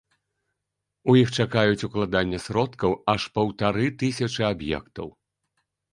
У іх чакаюць укладанняў сродкаў аж паўтары тысячы аб'ектаў.